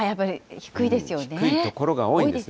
低い所が多いですね。